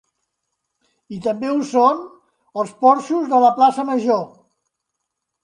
I també ho són els porxos de la Plaça Major.